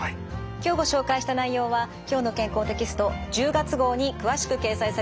今日ご紹介した内容は「きょうの健康」テキスト１０月号に詳しく掲載されています。